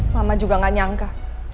mama juga gak nyangka